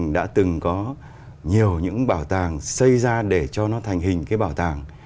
đã từng có nhiều những bảo tàng xây ra để cho nó thành hình cái bảo tàng